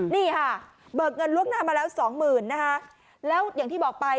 นี่ค่ะเบิกเงินล่วงหน้ามาแล้วสองหมื่นนะคะแล้วอย่างที่บอกไป